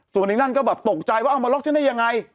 ส่วนอีกนั่นก็แบบตกใจว่าเอามาล็อกฉันได้ยังไง